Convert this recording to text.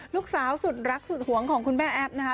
ลูกสาวสุดรักสุดหวงของคุณแม่แอฟนะคะ